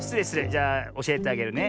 じゃあおしえてあげるね。